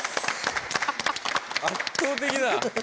圧倒的だ！